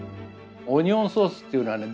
オニオンソースっていうのはね